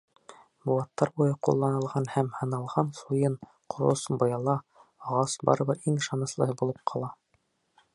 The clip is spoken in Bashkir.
Быуаттар буйы ҡулланылған һәм һыналған суйын, ҡорос, быяла, ағас барыбер иң ышаныслыһы булып ҡала.